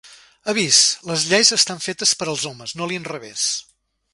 Avís: les lleis estan fetes per als homes, no a l'inrevès...